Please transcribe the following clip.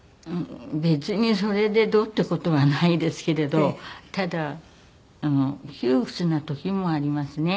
別にそれでどうって事はないですけれどただ窮屈な時もありますね。